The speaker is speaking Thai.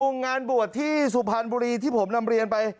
งานบวชที่สุพรรณบุรีที่ผมนำเรียนไป